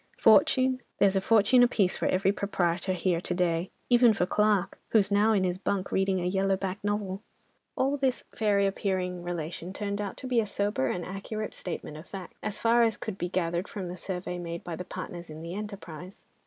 Fortune? There's a fortune apiece for every proprietor here to day—even for Clarke, who's now in his bunk reading a yellow back novel." All this fairy appearing relation turned out to be a sober and accurate statement of facts, as far as could be gathered from the survey made by the partners in the enterprise.